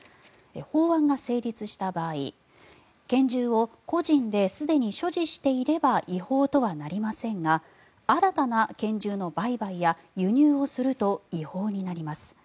法案が成立した場合拳銃を個人ですでに所持していれば違法とはなりませんが新たな拳銃の売買や輸入をすると違法になります。